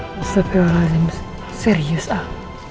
mas dapil razim serius ah